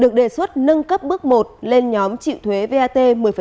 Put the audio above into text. được đề xuất nâng cấp bước một lên nhóm chịu thuế vat một mươi